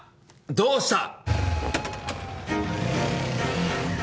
どうした？